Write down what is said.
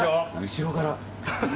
後ろから。